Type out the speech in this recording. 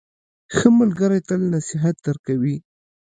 ښه ملګری تل نصیحت درکوي.